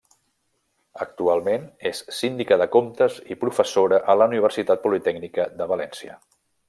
Actualment és Síndica de Comptes i professora a la Universitat Politècnica de València.